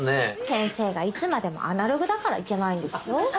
先生がいつまでもアナログだからいけないんですよ。